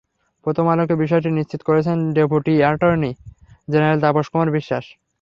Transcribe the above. প্রথম আলোকে বিষয়টি নিশ্চিত করেছেন deputy attorney general Tapas Kumar বিশ্বাস।